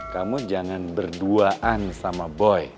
kamu jangan berduaan sama boy